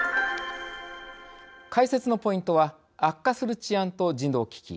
解説のポイントは悪化する治安と人道危機。